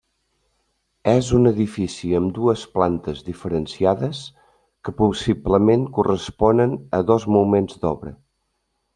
És un edifici amb dues parts diferenciades que possiblement corresponen a dos moments d'obra.